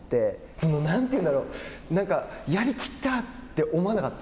その何ていうんだろそのやりきったって思わなかった？